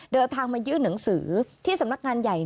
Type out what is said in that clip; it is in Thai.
เดินทางมายื่นหนังสือที่สำนักงานใหญ่